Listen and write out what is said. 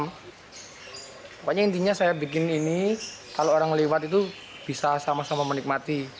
pokoknya intinya saya bikin ini kalau orang lewat itu bisa sama sama menikmati